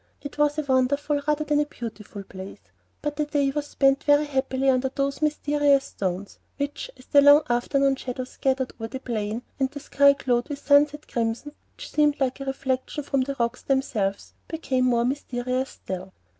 It was a wonderful rather than a beautiful place; but the day was spent very happily under those mysterious stones, which, as the long afternoon shadows gathered over the plain, and the sky glowed with sunset crimson which seemed like a reflection from the rocks themselves, became more mysterious still.